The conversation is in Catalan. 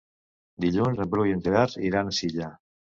Dilluns en Bru i en Gerard iran a Silla.